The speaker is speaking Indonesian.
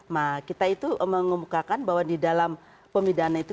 nah kita itu mengumumkakan bahwa di dalam pemidana itu